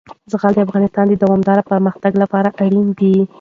زغال د افغانستان د دوامداره پرمختګ لپاره اړین دي.